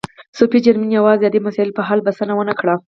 صوفي جرمین یوازې عادي مسایلو په حل بسنه و نه کړه.